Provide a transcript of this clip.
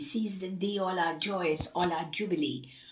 * Ceased in thee all our joys, all our jubilee.